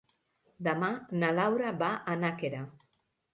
Demà na Laura va a Nàquera.